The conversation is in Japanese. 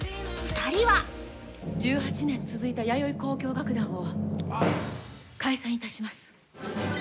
２人は◆１８年続いた弥生交響楽団を解散いたします。